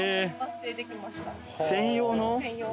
専用の？